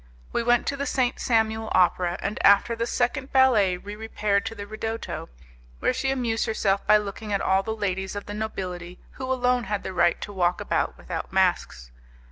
We went to the Saint Samuel opera, and after the second ballet we repaired to the 'ridotto', where she amused herself by looking at all the ladies of the nobility who alone had the right to walk about without masks.